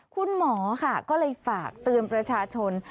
คุณหมอค่ะก็เลยฝากเตือนประชาชน